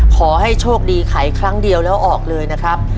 ขอให้โชคดีไขครั้งเดียวแล้วออกเลยนะครับ